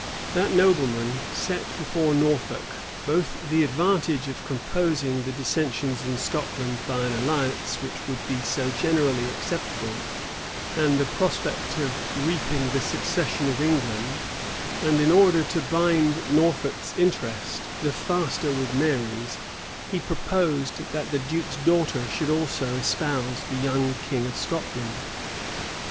[*] That nobleman set before Norfolk, both the advantage of composing the dissensions in Scotland by an alliance which would be so generally acceptable, and the prospect of reaping the succession of England; and in order to bind Norfolk's interest the faster with Mary's, he proposed that the duke's daughter should also espouse the young king of Scotland.